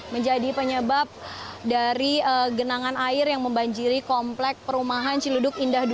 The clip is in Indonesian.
menjadi penyebab dari genangan air yang membanjiri komplek perumahan ciluduk indah dua